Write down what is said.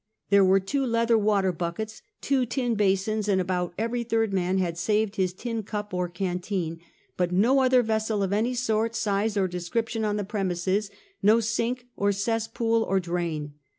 There were two leather water buckets, two tin basins, and about every third man had saved his tin cup or canteen; but no other vessel of any sort, size or description on the premises — no sink or cess pool or drain.